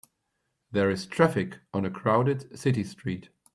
There is traffic on a crowded city street.